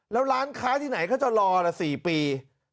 แล้วร้านค้าที่ไหนเขาจะรอละ๔ปี